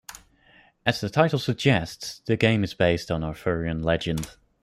As the title suggests, the game is based on Arthurian legend.